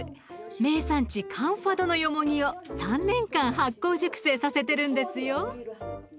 名産地カンファドのよもぎを３年間発酵熟成させてるんですよ。